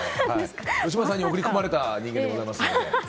吉村さんに送り込まれた人間ですので。